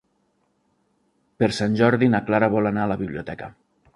Per Sant Jordi na Clara vol anar a la biblioteca.